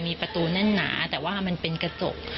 มีประตูแน่นหนาแต่ว่ามันเป็นกระจก